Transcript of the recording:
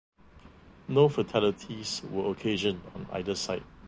No fatalities were occasioned on either side.